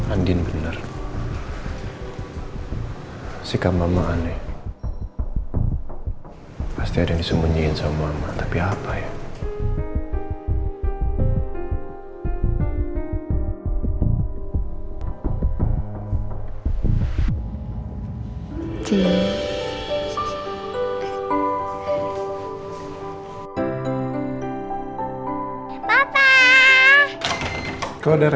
andin bener sikap mama aneh pasti ada yang disemunyiin sama mama tapi apa ya